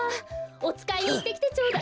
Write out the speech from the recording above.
おつかいにいってきてちょうだ。